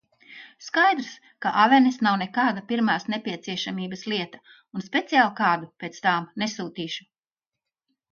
Skaidrs, ka avenes nav nekāda pirmās nepieciešamības lieta un speciāli kādu pēc tām nesūtīšu.